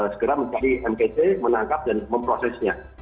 segera mencari mpc menangkap dan memprosesnya